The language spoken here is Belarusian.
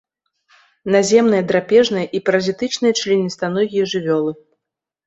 Наземныя драпежныя і паразітычныя членістаногія жывёлы.